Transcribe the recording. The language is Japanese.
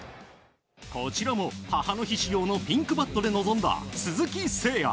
こちらも母の日仕様のピンクバットで臨んだ鈴木誠也。